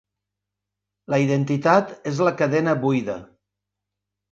La identitat és la cadena buida.